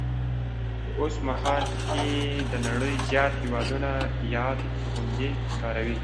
په اوسمهال کې د نړۍ زیات هیوادونه یاد توغندي کاروي